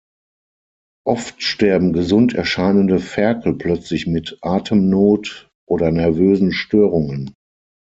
Oft sterben gesund erscheinende Ferkel plötzlich mit Atemnot oder nervösen Störungen.